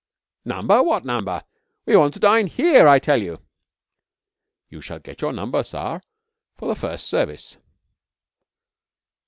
'Number? What number? We want to dine here, I tell you.' 'You shall get your number, sar, for the first service?'